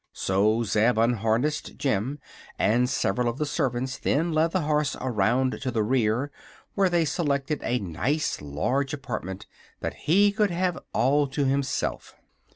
So Zeb unharnessed Jim, and several of the servants then led the horse around to the rear, where they selected a nice large apartment that he could have all to himself.